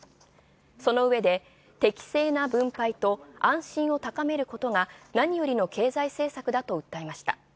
その上で、適正な分配と安心を高めることが何よりの経済政策だと訴えました。